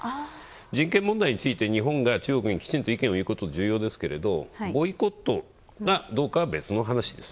人権問題について日本が中国にきちんと意見を言うことは重要ですけどボイコットかどうかは別の話です。